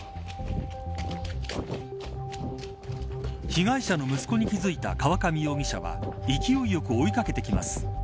被害者の息子に気付いた河上容疑者は勢いよく追いかけてきます。